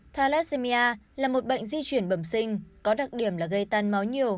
thalassemia là một bệnh di chuyển bẩm sinh có đặc điểm là gây tan máu nhiều